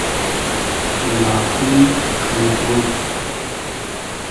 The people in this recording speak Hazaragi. لاکین قݷرۉ